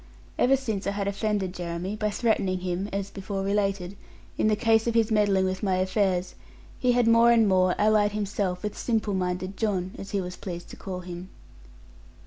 Ever since I had offended Jeremy, by threatening him (as before related) in case of his meddling with my affairs, he had more and more allied himself with simple minded John, as he was pleased to call him.